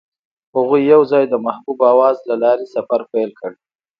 هغوی یوځای د محبوب اواز له لارې سفر پیل کړ.